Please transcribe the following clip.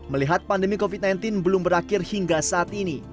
melihat pandemi covid sembilan belas belum berakhir hingga saat ini